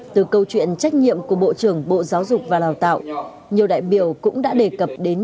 từ câu chuyện trách nhiệm của bộ trưởng bộ giáo dục và đào tạo nhiều đại biểu cũng đã đề cập đến